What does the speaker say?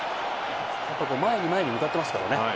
やっぱ前に前に向かってますからね。